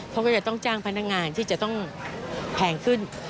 เขาก็จะต้องจ้างพนักงานที่จะต้องแพงขึ้น